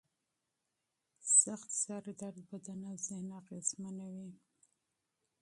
شدید سر درد بدن او ذهن اغېزمنوي.